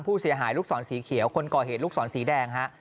ผู้เสียหายลูกศรสีเขียวคนก่อเหตุลูกศรสีแดงฮะ